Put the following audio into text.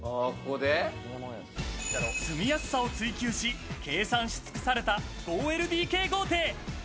住みやすさを追求し、計算しつくされた５ＬＤＫ豪邸。